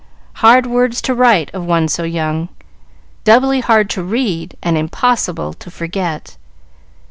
Hard words to write of one so young, doubly hard to read, and impossible to forget.